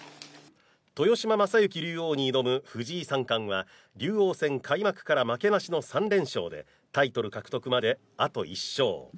豊島将之竜王に挑む藤井三冠は竜王戦開幕から負けなしでタイトル獲得まであと１勝利。